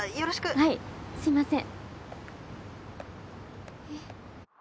はいすいません。